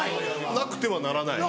なくてはならない。